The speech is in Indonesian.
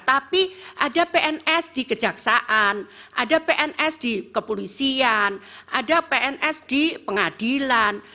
tapi ada pns di kejaksaan ada pns di kepolisian ada pns di pengadilan